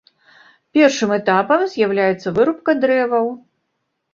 Першым этапам з'яўляецца вырубка дрэваў.